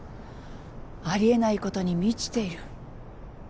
ありえないことに満ちている。